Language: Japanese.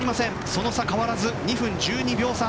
その差が変わらず２分１２秒差。